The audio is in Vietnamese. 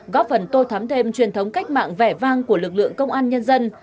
góp phần tô thắm thêm truyền thống cách mạng vẻ vang của lực lượng công an nhân dân